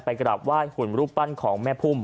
ไปกลับว่าหุ่นรูปปั้นของแม่พุ่ม